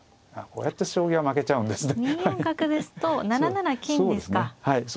こうやってすぐ将棋負けちゃうんですよ。